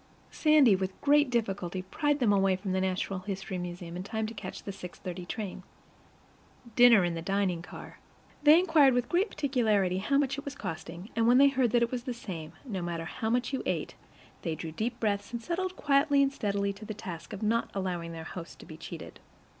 Sandy with great difficulty pried them away from the Natural History Museum in time to catch the 6:15 train. Dinner in the dining car. They inquired with great particularity how much it was costing, and when they heard that it was the same, no matter how much you ate, they drew deep breaths and settled quietly and steadily to the task of not allowing their host to be cheated.